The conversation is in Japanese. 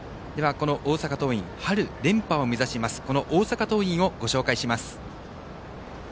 では、春連覇を目指します大阪桐蔭をご紹介します。